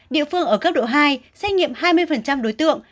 địa phương ở cấp độ hai xét nghiệm hai mươi đối tượng